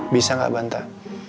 bisa gak bantah